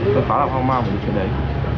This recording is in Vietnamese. tôi khá là hoang mang về trường đấy